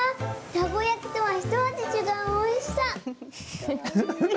たこ焼きとはひと味違うおいしさ。